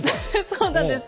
そうなんです。